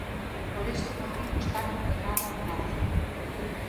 Por este motivo está condenado ao cárcere.